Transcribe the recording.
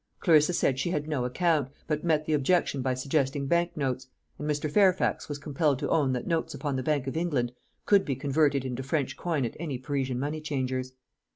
Clarissa said she had no account, but met the objection by suggesting bank notes; and Mr. Fairfax was compelled to own that notes upon the Bank of England could be converted into French coin at any Parisian money changer's.